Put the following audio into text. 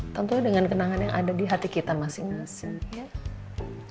tentunya dengan kenangan yang ada di hati kita masing masing